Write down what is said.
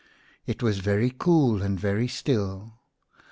It was very cool and very still.